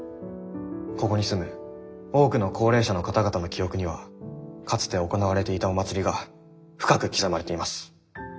「ここに住む多くの高齢者の方々の記憶にはかつて行われていたお祭りが深く刻まれています。